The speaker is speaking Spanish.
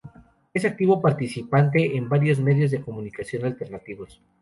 Es activo participante en varios medios de comunicación alternativos.